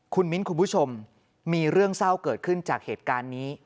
คุณมิ้นคุณผู้ชมมีเรื่องเศร้าเกิดขึ้นจากเหตุการณ์นี้